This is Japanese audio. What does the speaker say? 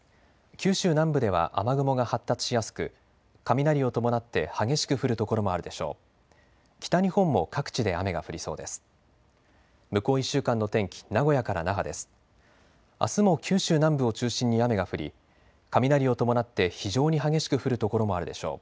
九州南部では雨雲が発達しやすく雷を伴って激しく降る所もあるでしょう。